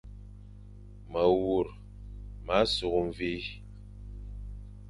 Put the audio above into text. Mewur ma sukh mvi,